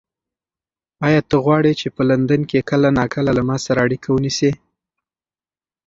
ایا ته غواړې چې په لندن کې کله ناکله له ما سره اړیکه ونیسې؟